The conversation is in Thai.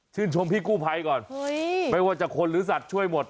ชื่นชมพี่กู้ไพก่อนเห้ยไม่ว่าจะคนหรือสัตว์ช่วยหมด